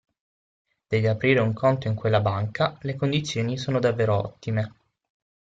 Devi aprire un conto in quella banca, le condizioni sono davvero ottime.